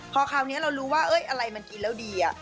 พอคราวนี้เรารู้ว่าอะไรมันกินแล้วดี